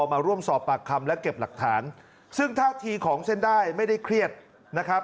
มาร่วมสอบปากคำและเก็บหลักฐานซึ่งท่าทีของเส้นได้ไม่ได้เครียดนะครับ